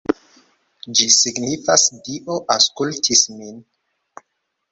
Ĝi signifas: Dio aŭskultis min.